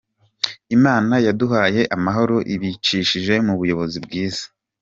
Imana yaduhaye amahoro ibicishije mu buyobozi bwiza.